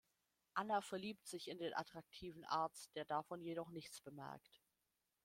Anna verliebt sich in den attraktiven Arzt, der davon jedoch nichts bemerkt.